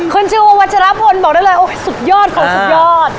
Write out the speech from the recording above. คนชื่อวัชละพลบอกได้เลยโอ้ยสุดยอดของสุดยอด